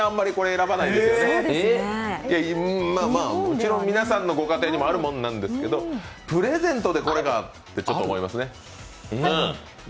もちろん皆さんのご家庭にあるものなんですけどプレゼントでこれかって、ちょっと思いますね。